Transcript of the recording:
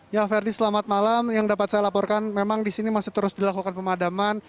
ya ferdi selamat malam yang dapat saya laporkan memang di sini masih terus dilakukan pemadaman